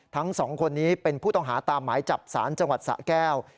ทั้งสองคนนี้เป็นผู้ต้องหาตามหมายจับสารจังหวัดสะแก้ว